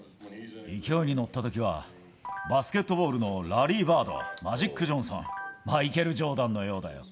勢いに乗ったときは、バスケットボールのラリー・バード、マジック・ジョンソン、マイケル・ジョーダンのようだよ。